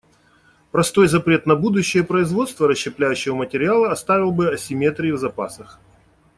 Простой запрет на будущее производство расщепляющегося материала оставил бы асимметрии в запасах.